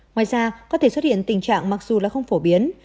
ngoài ra có thể xuất hiện tình trạng mặc dù là không phổ biến